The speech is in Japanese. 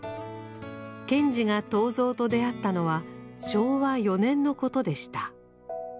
賢治が東蔵と出会ったのは昭和４年のことでした。